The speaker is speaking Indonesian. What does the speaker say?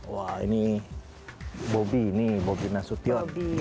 wah ini bobi ini bobi nasution